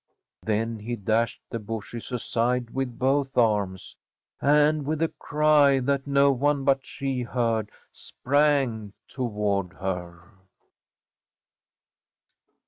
Then he dashed the bushes aside with both arms, and with a cry that no one but she heard sprang toward her.